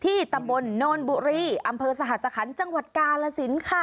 ที่ตะบลโนนบุริอำเภอสหภัษภัณฑ์จังหวัดกาลสินค่ะ